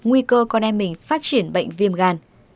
nguy cơ con em mình phát triển bệnh viêm gan